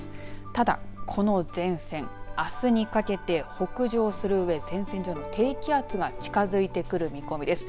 ただ、この前線あすにかけて、北上するうえ前線上の低気圧が近づいてくる見込みです。